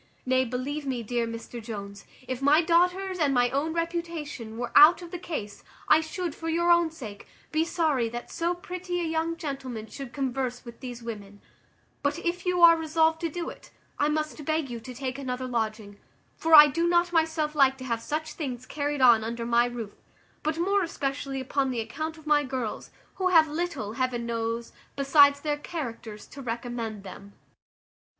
Nay, believe me, dear Mr Jones, if my daughters' and my own reputation were out of the case, I should, for your own sake, be sorry that so pretty a young gentleman should converse with these women; but if you are resolved to do it, I must beg you to take another lodging; for I do not myself like to have such things carried on under my roof; but more especially upon the account of my girls, who have little, heaven knows, besides their characters, to recommend them."